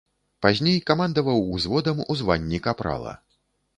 Пазней камандаваў узводам у званні капрала.